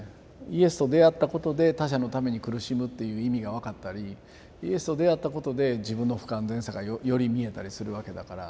イエスと出会ったことで他者のために苦しむっていう意味が分かったりイエスと出会ったことで自分の不完全さがより見えたりするわけだから。